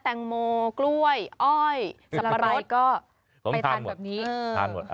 แตงโมกล้วยอ้อยสับปะรดก็ไปทานแบบนี้เออ